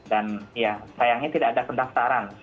dan ya sayangnya tidak ada pendaftaran